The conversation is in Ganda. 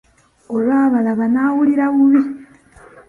Olwabalaba n'awulira bubi.